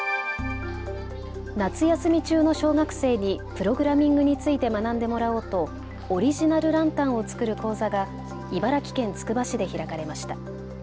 夏休み中の小学生にプログラミングについて学んでもらおうとオリジナルランタンを作る講座が茨城県つくば市で開かれました。